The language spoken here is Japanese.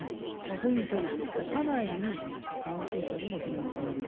こういうふうに整理していくと社内に関係者にもひもづけができる。